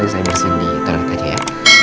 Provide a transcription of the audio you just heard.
tadi saya bersini di toilet aja ya